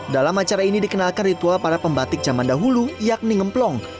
dalam acara ini dikenalkan ritual para pembatik zaman dahulu yakni ngeplong